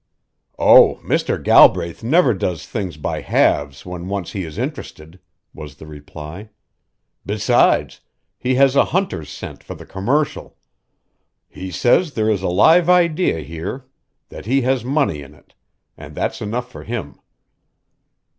"Oh, Mr. Galbraith never does things by halves when once he is interested," was the reply. "Besides, he has a hunter's scent for the commercial. He says there is a live idea here that has money in it, and that's enough for him.